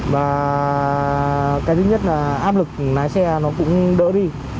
và cái thứ nhất là áp lực lái xe nó cũng đỡ đi